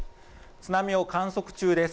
津波を観測中です。